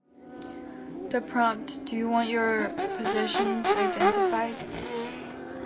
The prompt Do you want your possessions identified?